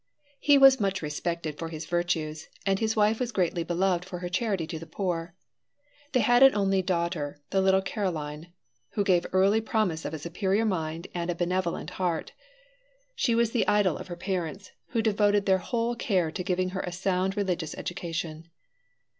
He was much respected for his virtues, and his wife was greatly beloved for her charity to the poor. They had an only daughter the little Caroline who gave early promise of a superior mind and a benevolent heart. She was the idol of her parents, who devoted their whole care to giving her a sound religious education.